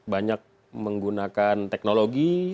banyak menggunakan teknologi